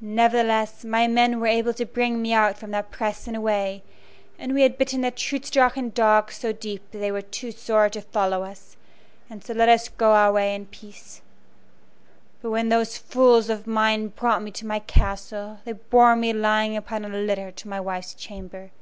Nevertheless, my men were able to bring me out from that press and away, and we had bitten the Trutz Drachen dogs so deep that they were too sore to follow us, and so let us go our way in peace. But when those fools of mine brought me to my castle they bore me lying upon a litter to my wife's chamber.